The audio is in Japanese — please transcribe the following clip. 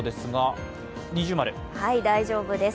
大丈夫です。